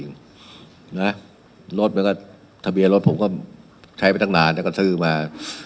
รถมันก็ทะเบียนรถผมก็ใช้ไปตั้งนานแล้วก็ซื้อมา